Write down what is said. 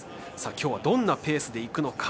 きょうはどんなペースでいくのか。